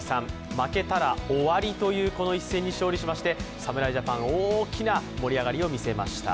負けたら終わりというこの一戦に勝利しまして侍ジャパン、大きな盛り上がりを見せました。